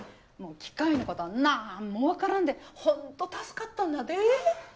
機械のことはなんも分からんでホント助かったんだで。